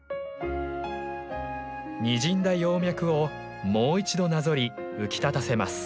にじんだ葉脈をもう一度なぞり浮き立たせます。